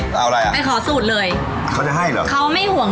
พรีกสุดเลยได้อยู่ประมาณ๑๒๐หาง